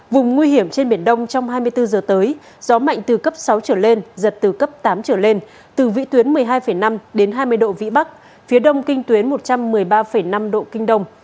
vùng nguy hiểm trên biển đông trong hai mươi bốn giờ tới gió mạnh từ cấp sáu trở lên giật từ cấp tám trở lên từ vị tuyến một mươi hai năm đến hai mươi độ vĩ bắc phía đông kinh tuyến một trăm một mươi ba năm độ kinh đông